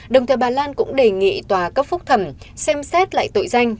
đồng thời bà lan cũng đề nghị tòa cấp phúc thẩm xem xét lại tội danh